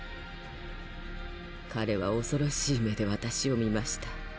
彼は恐ろしい目で私を見ました。